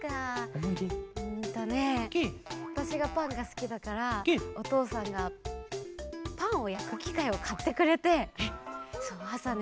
うんとねわたしがパンがすきだからおとうさんがパンをやくきかいをかってくれてあさね